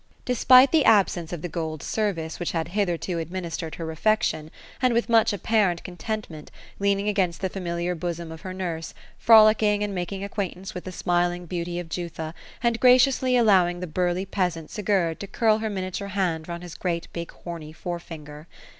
— despite the absence 196 oPHBLu; of the gold senrice which had hitherto administered her refection, — and with much apparent contentment, leaning against the familiar bosom of her nurse, frolicking and making acquaintance with the smiling beauty of Jutha, and graciouslj allowing the burlj peasant Sigurd to curl her miniature hand round his great big horny forefinger.